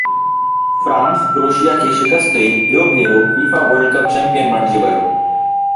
France Croatia کي شڪست ڏئي ٻيو ڀيرو فيفا ورلڊ ڪپ چيمپيئن بڻجي ويو